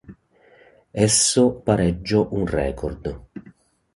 Esso pareggio un record.